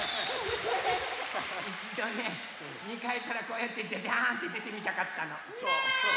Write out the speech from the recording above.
いちどね２かいからこうやってジャジャーンってでてみたかったの。ね！